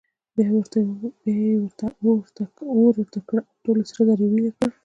بیا یې ورته اور ورته کړ او ټول سره زر یې ویلې کړل.